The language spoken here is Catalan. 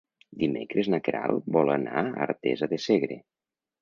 Dimecres na Queralt vol anar a Artesa de Segre.